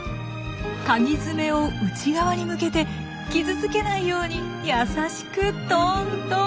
かぎ爪を内側に向けて傷つけないように優しくトントン。